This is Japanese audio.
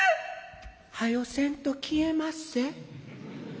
「はよせんと消えまっせ。